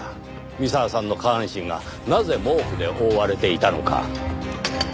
三沢さんの下半身がなぜ毛布で覆われていたのか。